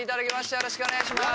よろしくお願いします。